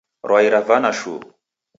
Rwai ravana shuu.